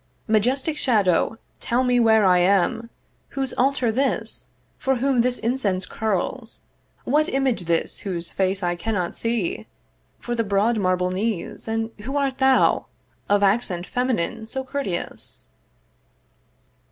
'Majestic shadow, tell me where I am, 'Whose altar this; for whom this incense curls; 'What image this whose face I cannot see, 'For the broad marble knees; and who thou art, 'Of accent feminine so courteous?'